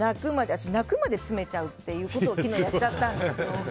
私、泣くまで詰めちゃうということを昨日やっちゃったんですよ。